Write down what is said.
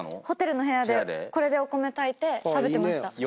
ホテルの部屋でこれでお米炊いて食べてました。